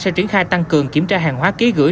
sẽ triển khai tăng cường kiểm tra hàng hóa ký gửi